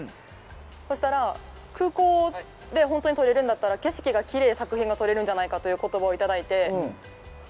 そしたら空港で撮れるんだったら景色がきれいな作品が撮れるんじゃないかという言葉をいただいて。